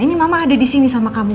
ini mama ada di sini sama kami